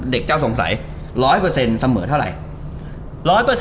เจ้าสงสัย๑๐๐เสมอเท่าไหร่